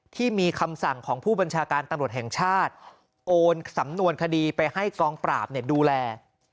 ที่มีคำสั่งของผู้บัญชาการตำรวจแห่งชาติโอนสำนวนคดีไปให้กองปราบดูแล